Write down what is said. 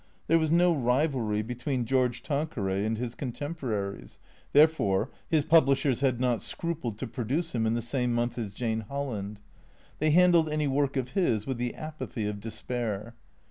There was no rivalry between George Tanqueray and his contemporaries; therefore, his pub lishers had not scrupled to produce him in the same month as Jane Holland. They handled any work of his with the apathy of despair.